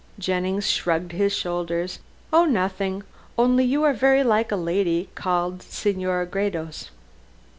Jennings shrugged his shoulders. "Oh, nothing. Only you are very like a lady called Senora Gredos."